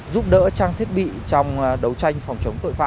giúp đỡ trang thiết bị trong đấu tranh phòng chống tội phạm